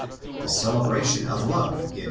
The celebration of love in ¢.